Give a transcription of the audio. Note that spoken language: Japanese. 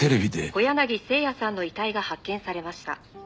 「小柳征矢さんの遺体が発見されました」